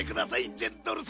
ジェンドル様。